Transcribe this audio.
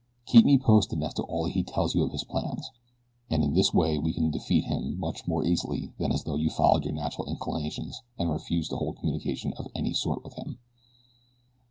Keep me posted as to all he tells you of his plans, and in this way we can defeat him much more easily than as though you followed your natural inclinations and refused to hold communication of any sort with him.